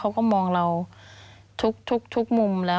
มันจอดอย่างง่ายอย่างง่าย